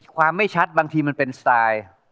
ไม่ชัดบางทีมันเป็นสไตล์